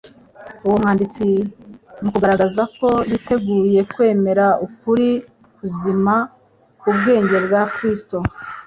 Uwo mwanditsi mu kugaragaza ko yiteguye kwemera ukuri kuzima k'ubwenge bwa Kristo,